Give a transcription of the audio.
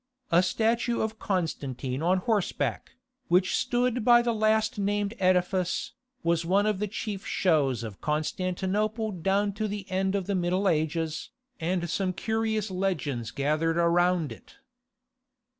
A statue of Constantine on horseback, which stood by the last named edifice, was one of the chief shows of Constantinople down to the end of the Middle Ages, and some curious legends gathered around it.